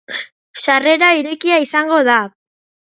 Sarrera irekia izango da.